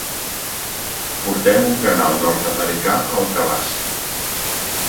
Portem un canal nord-americà al cabàs.